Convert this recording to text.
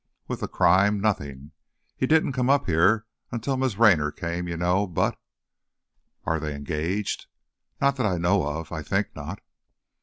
"With the crime? Nothing. He didn't come up here until Miss Raynor came, you know. But " "Are they engaged?" "Not that I know of. I think not."